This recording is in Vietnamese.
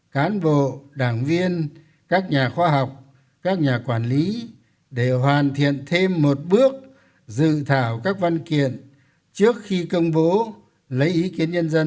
cán bộ đảng viên các nhà khoa học các nhà quản lý để hoàn thiện thêm một bước dự thảo các văn kiện trước khi công bố lấy ý kiến nhân dân